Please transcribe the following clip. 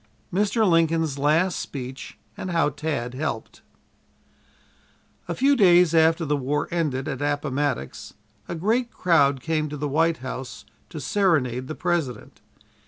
MR. LINCOLN'S LAST SPEECH AND HOW TAD HELPED A few days after the war ended at Appomattox, a great crowd came to the White House to serenade the President.